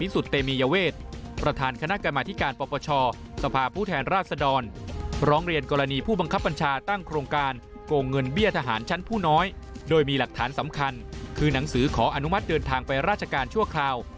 สร้างเรือทหารชั้นผู้น้อยโดยมีหลักฐานสำคัญคือหนังสือขออนุมัติเดินทางไปราชการชั่วคราว